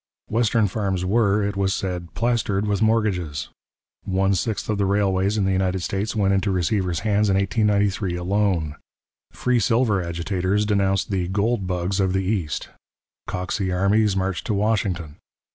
Western farms were, it was said, 'plastered with mortgages'; one sixth of the railways in the United States went into receivers' hands in 1893 alone. Free silver agitators denounced the 'gold bugs' of the east; Coxey armies marched to Washington.